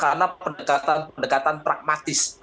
karena pendekatan pragmatis